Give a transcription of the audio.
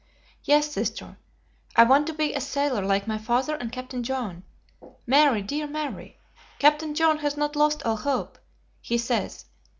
"Yes, sister; I want to be a sailor, like my father and Captain John. Mary, dear Mary, Captain John has not lost all hope, he says.